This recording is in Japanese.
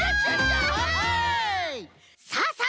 さあさあ